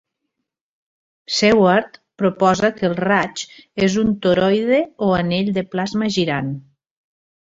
Seward proposa que el raig és un toroide o anell de plasma girant.